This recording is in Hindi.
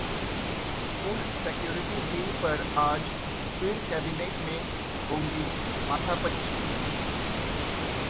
फूड सिक्योरिटी बिल पर आज फिर कैबिनेट में होगी माथापच्ची